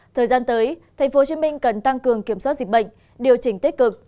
thời gian tới tp hcm cần tăng cường kiểm soát dịch bệnh điều chỉnh tích cực